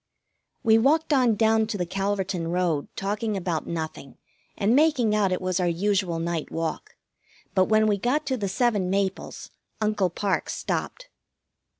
We walked on down to the Calverton road, talking about nothing, and making out it was our usual night walk, but when we got to the seven maples Uncle Parke stopped.